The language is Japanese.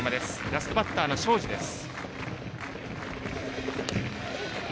ラストバッターの庄司です。